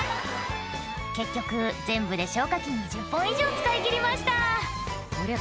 結局全部で消火器２０本以上使い切りましたこりゃ